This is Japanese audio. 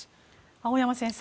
青山先生